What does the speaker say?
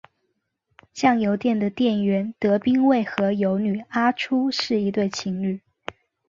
酱油店的店员德兵卫和游女阿初是一对情侣。